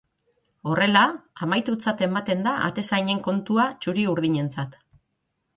Horrela, amaitutzat ematen da atezainen kontua txuri-urdinentzat.